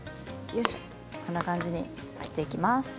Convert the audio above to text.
こんな感じに切っていきます。